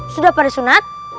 sudah pada sunat